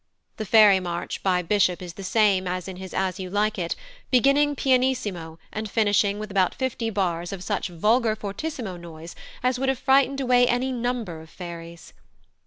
The fairy march by Bishop is the same as in his As You Like It, beginning pianissimo and finishing with about fifty bars of such vulgar fortissimo noise as would have frightened away any number of fairies.